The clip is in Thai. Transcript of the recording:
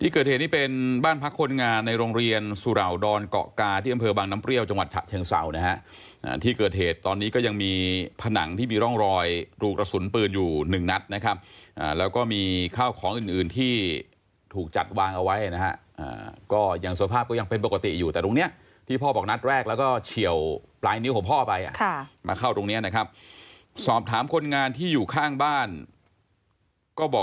คนงานในโรงเรียนสุเหล่าดอนเกาะกาที่อำเภอบางน้ำเปรี้ยวจังหวัดฉะเชียงเสานะฮะอ่าที่เกิดเหตุตอนนี้ก็ยังมีผนังที่มีร่องรอยลูกละสุนปืนอยู่หนึ่งนัดนะครับอ่าแล้วก็มีข้าวของอื่นอื่นที่ถูกจัดวางเอาไว้นะฮะอ่าก็ยังสภาพก็ยังเป็นปกติอยู่แต่ตรงเนี้ยที่พ่อบอกนัดแรกแล้วก็